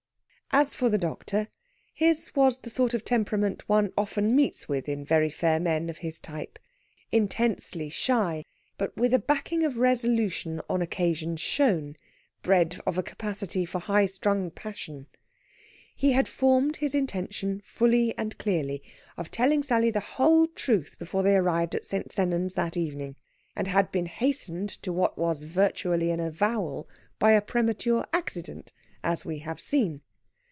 As for the doctor, his was the sort of temperament one often meets with in very fair men of his type intensely shy, but with a backing of resolution on occasion shown, bred of a capacity for high strung passion. He had formed his intention fully and clearly of telling Sally the whole truth before they arrived at St. Sennans that evening, and had been hastened to what was virtually an avowal by a premature accident, as we have seen.